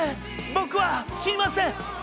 僕は死にません！